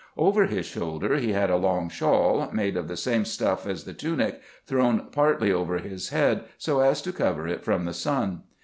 Over his shoulder he had a long shawl, made of the same stuff as the tunic, thrown partly over lus head, so as to cover it from the sun.